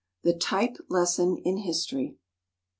The "Type Lesson" in History.